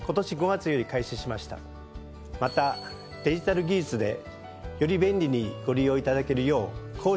またデジタル技術でより便利にご利用いただけるよう。